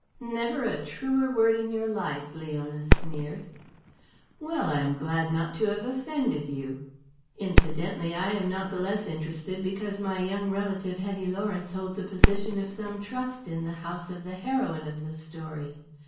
"Never a truer word in your life," Leona sneered. "Well, I am glad not to have offended you. Incidentally I am not the less interested because my young relative Hetty Lawrence holds a position of some trust in the house of the heroine of the story.